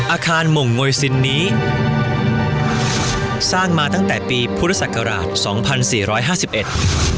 อาคารมงโยซินนี้สร้างมาตั้งแต่ปีพุทธศักราช๒๔๕๑